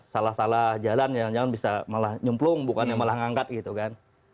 salah salah jalan jangan jangan bisa malah nyemplung bukannya malah ngangkat gitu kan